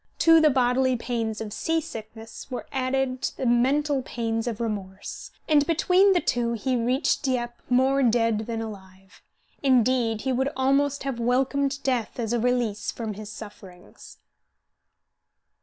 To the bodily pains of seasickness were added the mental pains of remorse, and between the two he reached Dieppe more dead than alive; indeed, he would almost have welcomed death as a release from his sufferings.